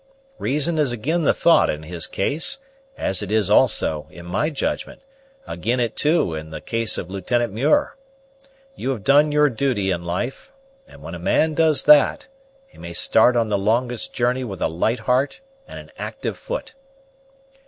Reason is ag'in the thought in his case, as it is also, in my judgment, ag'in it too in the case of Lieutenant Muir. You have done your duty in life; and when a man does that, he may start on the longest journey with a light heart and an actyve foot."